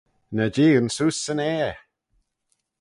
Ny jeeaghyn seose 'syn aer!